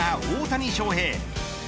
大谷翔平